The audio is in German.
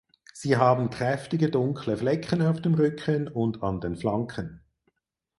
Sie haben kräftige dunkle Flecken auf dem Rücken und an den Flanken.